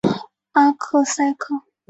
阿格萨克。